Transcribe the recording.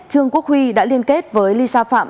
trương quốc huy đã liên kết với lisa phạm